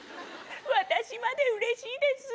私までうれしいですぅ。